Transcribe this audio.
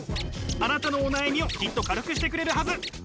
あなたのお悩みをきっと軽くしてくれるはず。